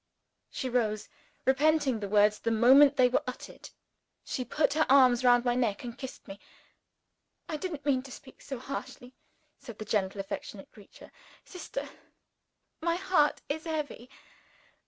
She rose, repenting the words the moment they were uttered she put her arm round my neck, and kissed me. "I didn't mean to speak so harshly," said the gentle affectionate creature. "Sister! my heart is heavy.